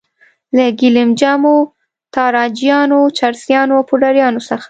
له ګیلم جمو، تاراجیانو، چرسیانو او پوډریانو څخه.